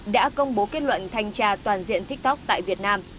đã công bố kết luận thanh tra toàn diện tiktok tại việt nam